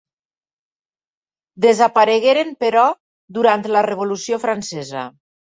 Desaparegueren, però, durant la Revolució francesa.